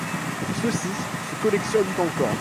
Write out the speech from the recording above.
Ceux-ci se collectionnent encore.